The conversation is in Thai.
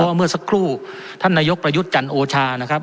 เมื่อสักครู่ท่านนายกประยุทธ์จันทร์โอชานะครับ